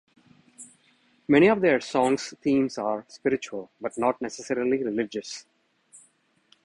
Many of their songs' themes are spiritual, but not necessarily religious.